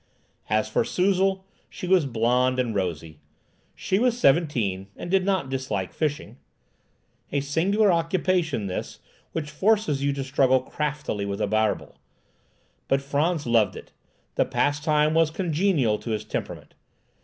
As for Suzel, she was blonde and rosy. She was seventeen, and did not dislike fishing. A singular occupation this, however, which forces you to struggle craftily with a barbel. But Frantz loved it; the pastime was congenial to his temperament.